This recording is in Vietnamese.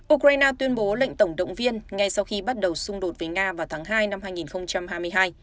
ukraine tuyên bố lệnh tổng động viên ngay sau khi bắt đầu xung đột với nga vào tháng hai năm hai nghìn hai mươi hai